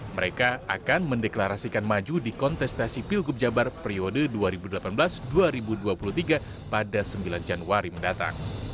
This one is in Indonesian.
mereka akan mendeklarasikan maju di kontestasi pilgub jabar periode dua ribu delapan belas dua ribu dua puluh tiga pada sembilan januari mendatang